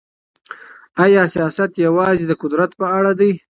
آیا سیاست یوازې د قدرت په اړه دی؟